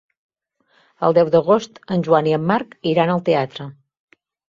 El deu d'agost en Joan i en Marc iran al teatre.